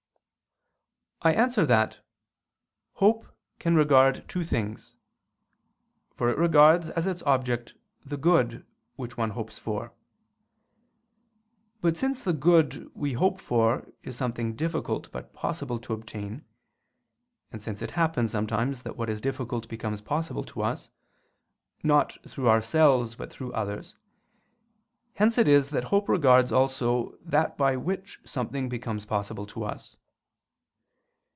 I answer that, Hope can regard two things. For it regards as its object, the good which one hopes for. But since the good we hope for is something difficult but possible to obtain; and since it happens sometimes that what is difficult becomes possible to us, not through ourselves but through others; hence it is that hope regards also that by which something becomes possible to us.